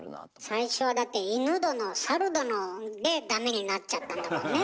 最初はだって犬殿猿殿でダメになっちゃったんだもんね。